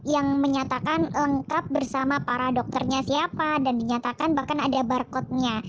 yang menyatakan lengkap bersama para dokternya siapa dan dinyatakan bahkan ada barcode nya